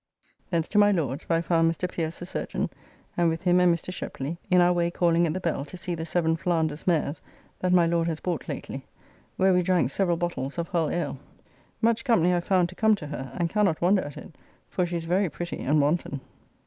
Thence to my Lord's, where I found Mr. Pierce, the surgeon, and with him and Mr. Sheply, in our way calling at the Bell to see the seven Flanders mares that my Lord has bought lately, where we drank several bottles of Hull ale. Much company I found to come to her, and cannot wonder at it, for she is very pretty and wanton.